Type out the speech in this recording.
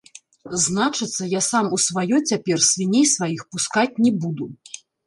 Значыцца, я сам у сваё цяпер свіней сваіх пускаць не буду.